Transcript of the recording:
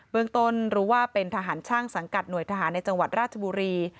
เมืองต้นรู้ว่าเป็นทหารช่างสังกัดหน่วยทหารในจังหวัดราชบุรี